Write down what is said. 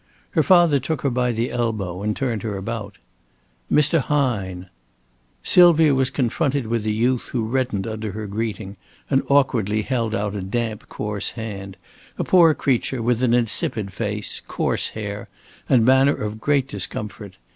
Her father took her by the elbow and turned her about. "Mr. Hine." Sylvia was confronted with a youth who reddened under her greeting and awkwardly held out a damp coarse hand, a poor creature with an insipid face, coarse hair, and manner of great discomfort.